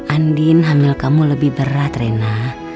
andin hamil kamu lebih berat rena